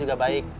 ada apa ya